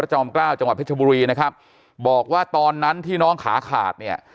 จอมเกล้าจังหวัดเพชรบุรีนะครับบอกว่าตอนนั้นที่น้องขาขาดเนี่ย